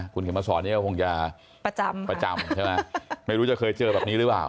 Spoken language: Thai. คุณเข็มมาสอนนี่ก็คงจะประจำประจำใช่ไหมไม่รู้จะเคยเจอแบบนี้หรือเปล่า